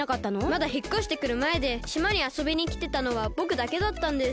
まだひっこしてくるまえでしまにあそびにきてたのはぼくだけだったんです。